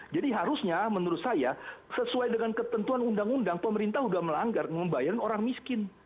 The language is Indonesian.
jadi harusnya menurut saya sesuai dengan ketentuan undang undang pemerintah sudah melanggar membayar orang miskin